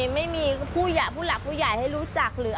ไม่มีผู้หลักผู้ใหญ่ให้รู้จักหรือ